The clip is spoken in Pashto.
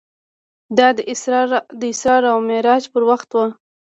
دا د اسرا او معراج پر وخت و.